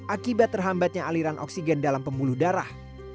akibat terhambatnya aliran oksigen dalam pembuluh darah